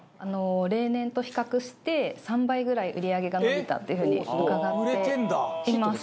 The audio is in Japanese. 例年と比較して３倍ぐらい売り上げが伸びたっていう風に伺っています。